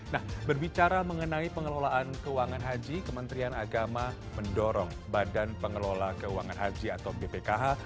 nah berbicara mengenai pengelolaan keuangan haji kementerian agama mendorong badan pengelola keuangan haji atau bpkh